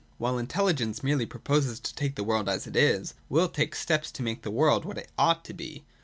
While Intelligence merely proposes to take the world as it is, Will takes steps to make the world what it ought to be.